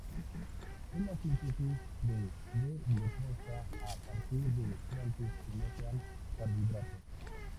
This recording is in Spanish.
Es la síntesis de D-glucosa a partir de fuentes que no sean carbohidratos.